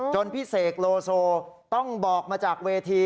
พี่เสกโลโซต้องบอกมาจากเวที